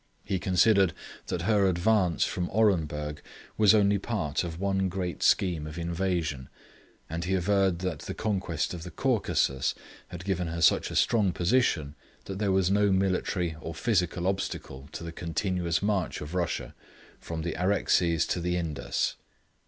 He considered that her advance from Orenburg was only part of one great scheme of invasion; and he averred that the conquest of the Caucasus had given her such a strong position that there was no military or physical obstacle to the continuous march of Russia from the Araxes to the Indus.